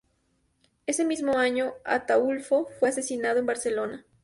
Ese mismo año Ataúlfo fue asesinado en Barcelona.